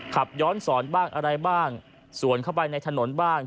ขับย้อนสอนบ้างอะไรบ้างสวนเข้าไปในถนนบ้าง